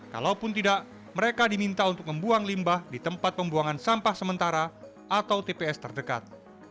kalaupun tidak mereka diminta untuk membuang limbah di tempat pembuangan sampah sementara atau tps terdekat